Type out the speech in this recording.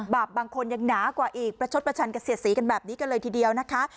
บางคนยังหนากว่าอีกประชดประชันเกษียดสีกันแบบนี้กันเลยทีเดียวนะคะ